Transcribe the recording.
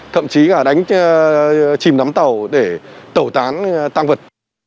thậm chí cả đánh chìm nắm tàu để tẩu tán tăng vật